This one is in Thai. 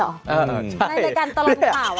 อ่าใช่ฮือใช่หรือไม่จ๋าหวะ